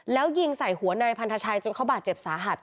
แล้วยิงใส่หัวนายพันธชัยจนเขาบาดเจ็บสาหัส